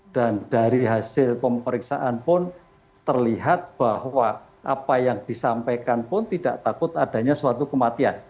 dan dari hasil pemeriksaan pun terlihat bahwa apa yang disampaikan pun tidak takut adanya suatu kematian